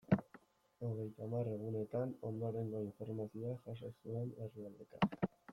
Hogeita hamar egunetan ondorengo informazioa jaso zuen herrialdeka.